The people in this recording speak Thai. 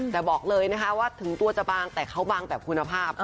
แต่บอกเลยนะคะว่าถึงตัวจะบางแต่เขาบางแบบคุณภาพ